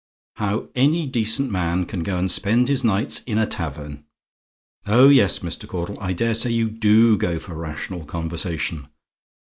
"How any decent man can go and spend his nights in a tavern! oh, yes, Mr. Caudle; I daresay you DO go for rational conversation.